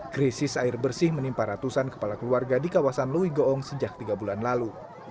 krisis air bersih menimpa ratusan kepala keluarga di kawasan lewi goong sejak tiga bulan lalu